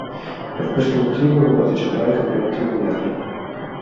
Per questo motivo non parteciperà ai Campionati Mondiali.